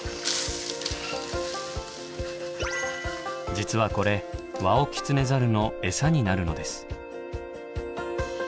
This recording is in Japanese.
実はこれワオキツネザルのエサになるのです。